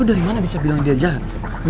eh lu dari mana bisa bilang dia jahat